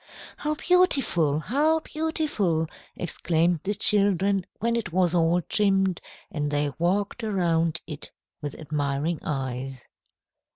"How beautiful! How beautiful!" exclaimed the children when it was all trimmed, and they walked around it with admiring eyes.